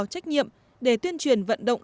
trách nhiệm để tuyên truyền vận động